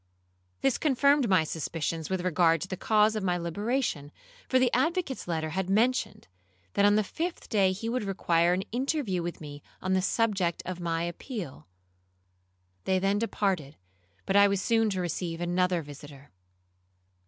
This confirmed my suspicions with regard to the cause of my liberation, for the advocate's letter had mentioned, that on the fifth day he would require an interview with me on the subject of my appeal. They then departed; but I was soon to receive another visitor.